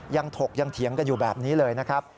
ถกยังเถียงกันอยู่แบบนี้เลยนะครับ